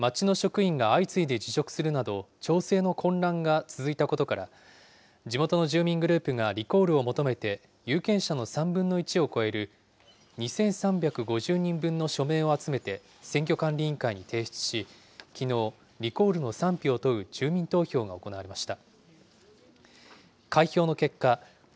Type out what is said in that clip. しかし、町の職員が相次いで辞職するなど、町政の混乱が続いたことから、地元の住民グループがリコールを求めて、有権者の３分の１を超える、２３５０人分の署名を集めて選挙管理委員会に提出し、きのう、リコールの賛否を問う住民投票が行われました。